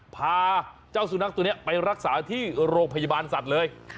พาเจ้าสุนัขตัวนี้ไปรักษาที่โรงพยาบาลสัตว์เลย